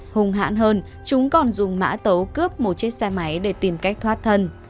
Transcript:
hùng hãn hơn chúng còn dùng mã tấu cướp một chiếc xe máy để tìm cách thoát thân